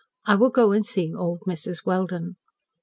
I will go and see old Mrs. Welden."